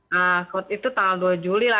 nah itu tanggal dua juli lah